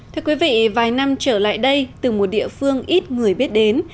thưa quý vị vài năm trở lại đây từ một địa phương ít người biết đến